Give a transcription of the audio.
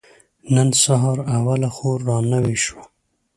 نن سهار اوله خور را نوې شوه.